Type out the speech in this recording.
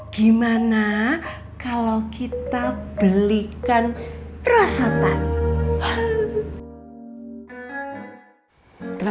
gimana kalau kita belikan perasaan